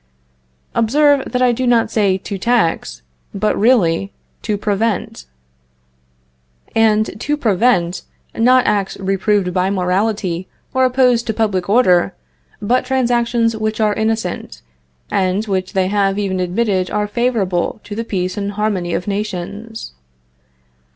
Observe that I do not say to tax, but really to prevent. And to prevent, not acts reproved by morality, or opposed to public order, but transactions which are innocent, and which they have even admitted are favorable to the peace and harmony of nations.